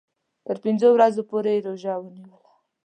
تر پنځو ورځو پوري یې روژه ونیوله.